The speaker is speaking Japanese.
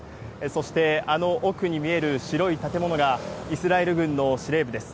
そしてあの奥に見える白い建物が、イスラエル軍の司令部です。